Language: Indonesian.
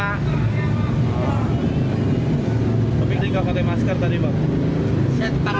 tapi ini kabupaten masker tadi bang